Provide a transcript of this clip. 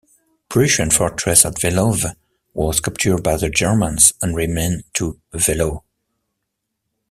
Prussian fortress at Velowe was captured by the Germans and renamed to "Wehlau".